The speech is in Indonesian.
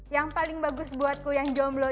yang paling bagus buatku yang jomblo